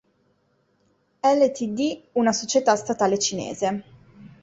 Ltd., una società statale cinese.